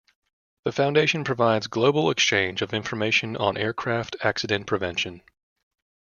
The Foundation provides global exchange of information on aircraft accident prevention.